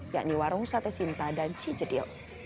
yakni warung sate sinta dan cijedil